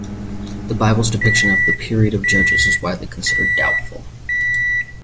The Bible's depiction of the 'period of the Judges' is widely considered doubtful.